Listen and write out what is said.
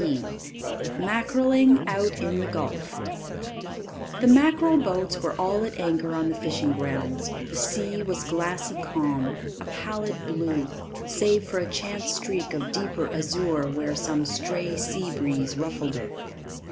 ] Mackereling Out in the Gulf The mackerel boats were all at anchor on the fishing grounds; the sea was glassy calm a pallid blue, save for a chance streak of deeper azure where some stray sea breeze ruffled it.